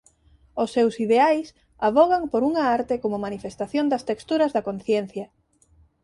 Os seus ideais avogan por unha arte como manifestación das texturas da conciencia.